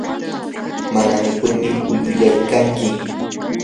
mana mikurmi uyuyaykanki.